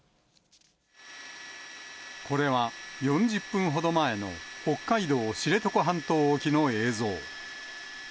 これは４０分ほど前の北海道知床半島沖の映像。